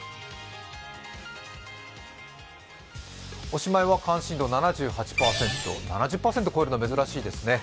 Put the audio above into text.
おしまいは関心度７８％、７０％を超えるのは珍しいですね。